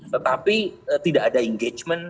tetapi tidak ada engagement